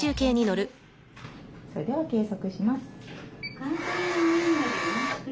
それでは計測します。